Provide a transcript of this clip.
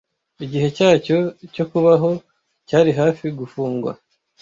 Igihe cyacyo cyo kubaho cyari hafi gufungwa,